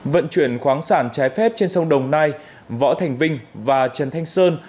vận chuyển khoáng sản trái phép trên sông đồng nai võ thành vinh và trần thanh sơn